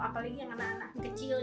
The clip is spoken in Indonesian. apalagi yang anak anak kecil kayak gitu